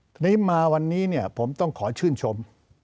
ทีนี้มาวันนี้เนี่ยผมต้องขอชื่นชม